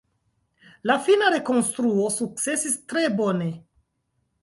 La fina rekonstruo sukcesis tre bone.